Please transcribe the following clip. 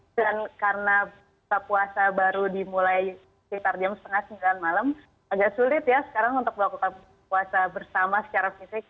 dan karena buka puasa baru dimulai sekitar jam sembilan sembilan malam agak sulit ya sekarang untuk melakukan puasa bersama secara fisik